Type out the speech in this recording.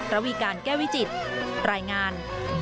ระวีการแก้วิจิตรายงาน